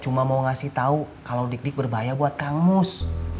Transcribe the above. cuma mau ngasih tau kalau dik dik berbahaya buat kang mus